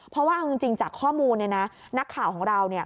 เพราะว่าเอาจริงจากข้อมูลนักข่าวของเรา